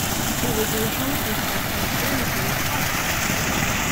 It was originally a part of Barangay Alabang.